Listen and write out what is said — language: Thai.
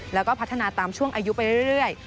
แล้วก็พัฒนาตามช่วงอายุไปเรื่อย